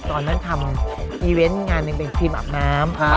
ตอนนั้นทำอีเวนต์งานหนึ่งเป็นทีมอาบน้ำ